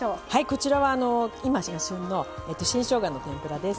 こちらは今が旬の新しょうがの天ぷらです。